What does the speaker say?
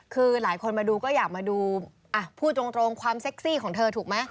คือหลายคนมาดูก็อยากมาดูอ่ะพูดตรงความเซ็กซี่ของเธอถูกไหม